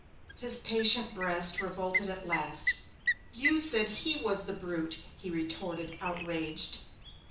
His patient breast revolted at last. 'You said he was the brute!' he retorted, outraged.